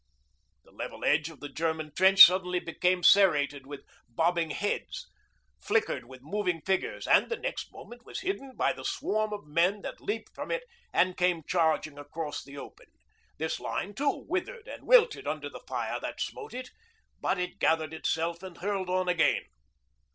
The level edge of the German trench suddenly became serrated with bobbing heads, flickered with moving figures, and the next moment was hidden by the swarm of men that leaped from it and came charging across the open. This line too withered and wilted under the fire that smote it, but it gathered itself and hurled on again.